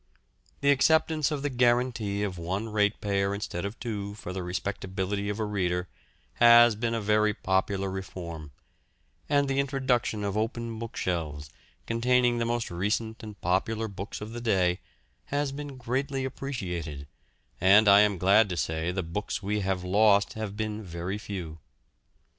The acceptance of the guarantee of one ratepayer instead of two for the respectability of a reader has been a very popular reform, and the introduction of open bookshelves, containing the most recent and popular books of the day, has been greatly appreciated, and I am glad to say the books we have lost have been very few.